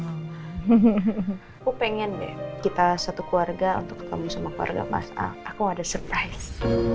aku pengen deh kita satu keluarga untuk ketemu sama keluarga mas a aku ada surprise